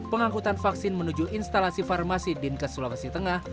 pengangkutan vaksin menuju instalasi farmasi di nkes sulawesi tengah